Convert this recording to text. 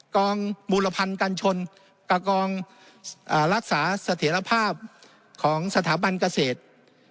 กองบูรพันธ์กันชนกับกองรักษาเสถียรภาพของสถาบันเกษตร